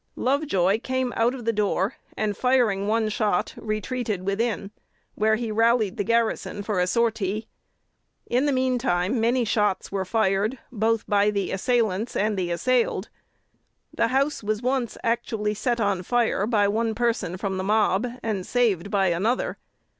Lovejoy came out of the door, and, firing one shot, retreated within, where he rallied the garrison for a sortie. In the mean time many shots were fired both by the assailants and the assailed. The house was once actually set on fire by one person from the mob, and saved by another.